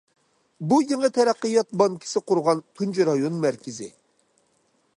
بۇ يېڭى تەرەققىيات بانكىسى قۇرغان تۇنجى رايون مەركىزى.